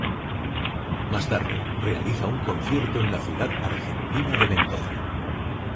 Más tarde realiza un concierto en la ciudad argentina de Mendoza.